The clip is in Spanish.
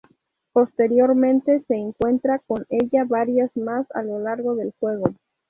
Posteriormente se encuentra con ella varias veces más a lo largo del juego.